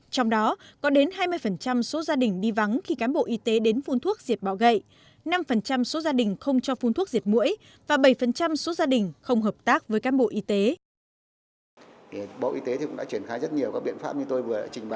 trong đó có đến hai mươi số gia đình đi vắng khi cán bộ y tế đến phun thuốc diệt bọ gậy năm số gia đình không cho phun thuốc diệt mũi và bảy số gia đình không hợp tác với cán bộ y tế